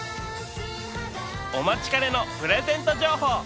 お待ちかねのプレゼント情報